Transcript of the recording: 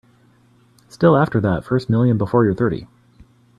Still after that first million before you're thirty.